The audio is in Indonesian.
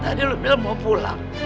tadi lo bilang mau pulang